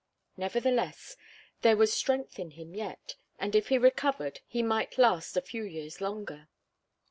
Nevertheless, there was strength in him yet, and if he recovered he might last a few years longer.